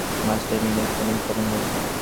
Master মিনের sonic তরঙ্গ?